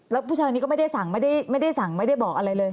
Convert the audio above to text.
แล้วผู้ชายคนนี้ก็ไม่ได้สั่งไม่ได้สั่งไม่ได้บอกอะไรเลย